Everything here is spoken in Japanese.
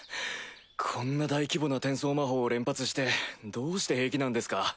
こんな大規模な転送魔法を連発してどうして平気なんですか？